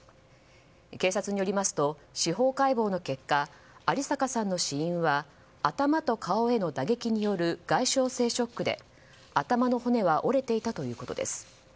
警察によりますと司法解剖の結果有坂さんの死因は頭と顔への打撃による外傷性ショックで、頭の骨は折れていたということです。